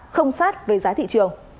không sát với giá thị trường